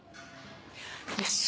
よし！